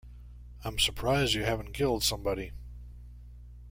I'm surprised you haven't killed somebody.